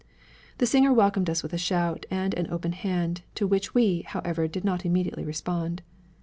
The singer welcomed us with a shout and an open hand, to which we, however, did not immediately respond.